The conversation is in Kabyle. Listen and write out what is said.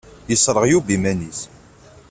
Yesṛeɣ Yuba iman-is.